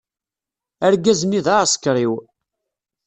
Argaz-nni d aɛsekriw.